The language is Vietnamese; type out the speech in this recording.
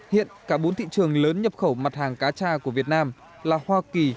hiện cả bốn thị trường lớn nhập khẩu mặt hàng cá cha của việt nam là hoa kỳ